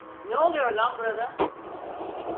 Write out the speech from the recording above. Ne oluyor lan burada?